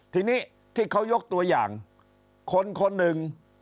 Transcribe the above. ทีนี้ที่เขายกตัวอย่างคนคนหนึ่ง